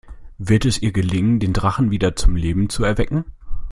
Wird es ihr gelingen, den Drachen wieder zum Leben zu erwecken?